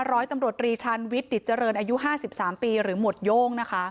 ร้อยตำรวจรีชาญวิทย์ดิจเจริญอายุ๕๓ปีหรือหมวดโย่งนะคะ